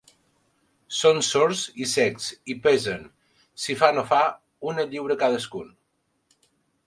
Són sords i cecs i pesen, si fa no fa, una lliura cadascun.